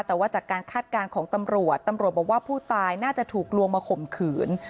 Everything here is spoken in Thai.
แต่ว่าจากการคาดการณ์ของตำรวจตำรวจบอกว่าผู้ตายน่าจะถูกลวงมาข่มขืน